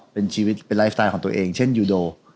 เป็นชีวิตเป็นไลฟ์สไตล์ของตัวเองเช่นยูโด